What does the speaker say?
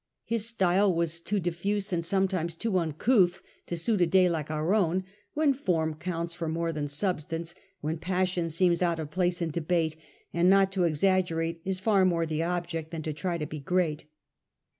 His style was too diffuse and sometimes too uncouth to suit a day like our own, when form counts for more than sub stance, when passion seems out of place in debate, and not to exaggerate is far more the object than to try to be great.